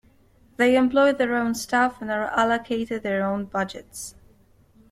They employ their own staff and are allocated their own budgets.